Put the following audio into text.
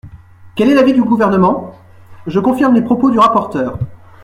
Quel est l’avis du Gouvernement ? Je confirme les propos du rapporteur.